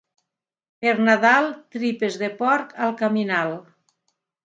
Per Nadal, tripes de porc al caminal.